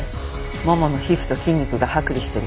ももの皮膚と筋肉が剥離してる。